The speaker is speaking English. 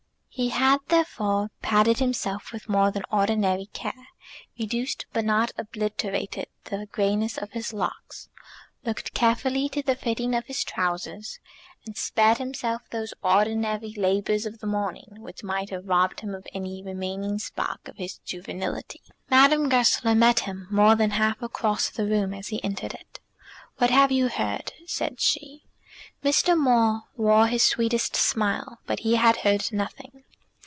He had therefore padded himself with more than ordinary care, reduced but not obliterated the greyness of his locks, looked carefully to the fitting of his trousers, and spared himself those ordinary labours of the morning which might have robbed him of any remaining spark of his juvenility. Madame Goesler met him more than half across the room as he entered it. "What have you heard?" said she. Mr. Maule wore his sweetest smile, but he had heard nothing.